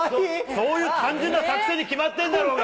そういう単純な作戦に決まってんだろうが。